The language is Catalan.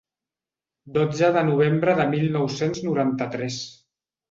Dotze de novembre de mil nou-cents noranta-tres.